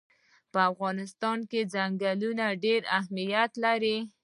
په افغانستان کې ځنګلونه ډېر اهمیت لري.